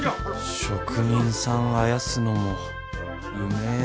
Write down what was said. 職人さんあやすのもうめぇ。